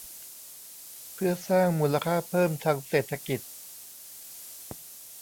เพื่อสร้างมูลค่าเพิ่มทางเศรษฐกิจ